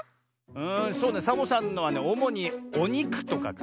んそうねサボさんのはねおもにおにくとかかなあ。